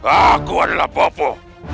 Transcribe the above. aku adalah bapu